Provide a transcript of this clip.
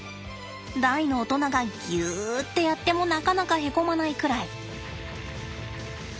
大の大人がぎゅってやってもなかなかへこまないくらい。